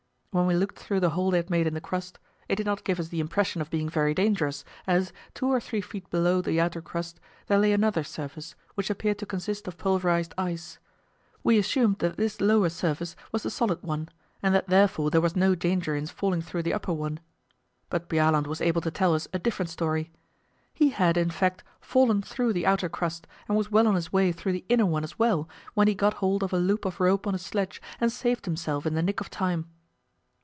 When we looked through the hole they had made in the crust, it did not give us the impression of being very dangerous, as, 2 or 3 feet below the outer crust, there lay another surface, which appeared to consist of pulverized ice. We assumed that this lower surface was the solid one, and that therefore there was no danger in falling through the upper one. But Bjaaland was able to tell us a different story. He had, in fact, fallen through the outer crust, and was well on his way through the inner one as well, when he got hold of a loop of rope on his sledge and saved himself in the nick of time.